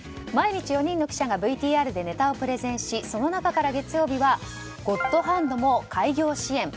毎日４人の記者がＶＴＲでネタをプレゼンしその中から月曜日はゴッドハンドも開業支援